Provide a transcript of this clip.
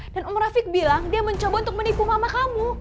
dan om rafiq bilang dia mencoba untuk menipu mama kamu